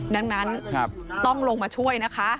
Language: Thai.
ดังนั้นต้องลงมาช่วยนะคะ